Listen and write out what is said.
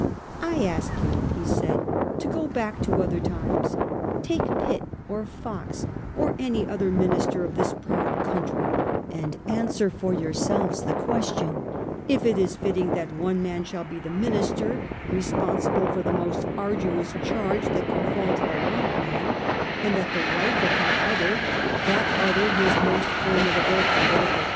' I ask you,' he said ' to go back to other times : take Pitt or Fox, or any other minister of this proud country, and answer for your selves the question, is it fitting that one man shall be the minister, responsible for the most arduous charge that can fall to the lot of man, and that the wife of the other — that other his most formidable, political 134 A HISTORY OF OUR OWN TIMES. CH. VI.